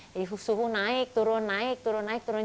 jadi suhu naik turun naik turun naik turun